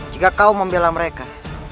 jika kau membela mereka